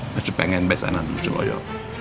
masih pengen besanan lo celaya